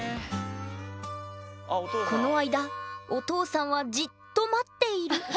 この間お父さんはじっと待っている。